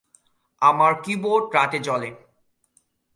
আমার কিবোর্ড রাতে জ্বলে।